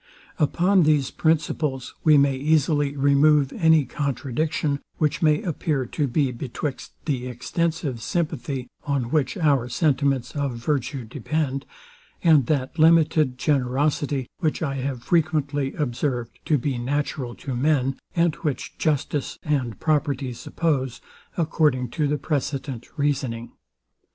Upon these principles we may easily remove any contradiction, which may appear to be betwixt the extensive sympathy, on which our sentiments of virtue depend, and that limited generosity which I have frequently observed to be natural to men, and which justice and property suppose, according to the precedent reasoning.